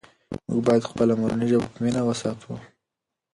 موږ باید خپله مورنۍ ژبه په مینه وساتو.